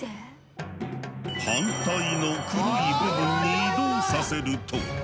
反対の黒い部分に移動させると。